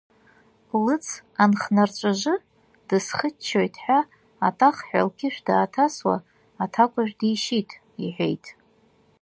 Лыц анхнарҵәыжы, дысхыччоит ҳәа атахҳәа лқьышә дааҭасуа, аҭакәажә дишьит, — иҳәеит.